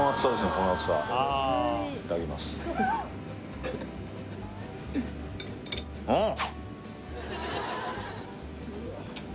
この厚さいただきますあっ！